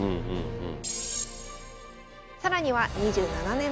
うん。